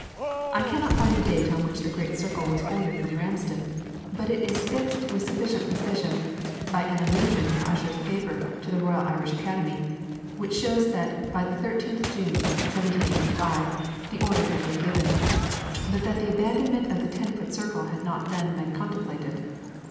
I cannot find the date on which the great circle was ordered from Ramsden, but it is fixed with sufficient precision by an allusion in Ussher's paper to the Royal Irish Academy, which shows that by the 13th June, 1785, the order had been given, but that the abandonment of the 10 foot scale had not then been contemplated.